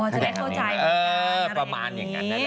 อ๋อจะได้เข้าใจหัวข้างอะไรแบบนี้เออประมาณอย่างนั้น